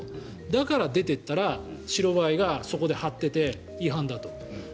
だから出ていったら白バイがそこで張ってて違反だと。